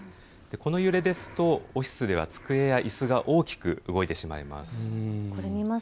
この揺れですとオフィスでは机やいすが大きく動いてしまいます。